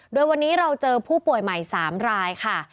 โดยวันนี้เราเจอผู้ป่วยใหม่๓รายค่ะ